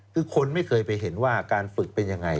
คือคนไม่เคยไปเห็นว่าการฝึกเป็นยังไง